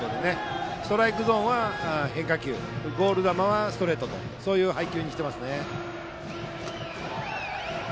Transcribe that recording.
ストライクゾーンは変化球ボール球はストレートという配球にしていますね。